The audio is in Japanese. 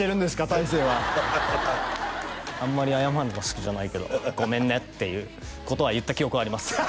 大成は「あんまり謝るの好きじゃないけどごめんね」っていうことは言った記憶はあります